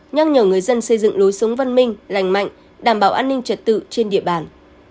nhắc nhở người dân xây dựng lối sống văn minh lành mạnh đảm bảo an ninh trật tự trên địa bàn